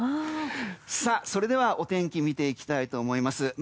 それでは、お天気見ていきたいと思います。